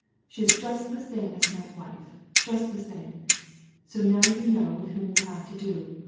She's just the same as my wife, just the same. So now you know whom you've to do with.